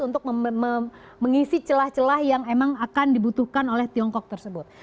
untuk mengisi celah celah yang emang akan dibutuhkan oleh tiongkok tersebut